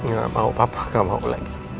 gak mau papa gak mau lagi